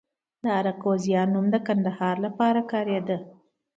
د اراکوزیا نوم د کندهار لپاره کاریده